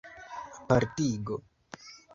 apartigo